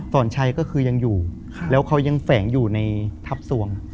สอนชัยก็คือยังอยู่แล้วเขายังแฝงอยู่ในทัพทรวง